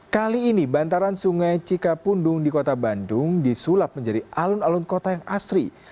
kali ini bantaran sungai cikapundung di kota bandung disulap menjadi alun alun kota yang asri